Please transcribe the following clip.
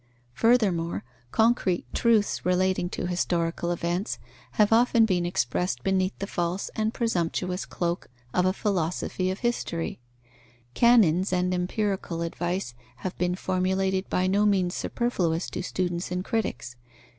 Furthermore, concrete truths relating to historical events have often been expressed beneath the false and presumptuous cloak of a philosophy of history; canons and empirical advice have been formulated by no means superfluous to students and critics.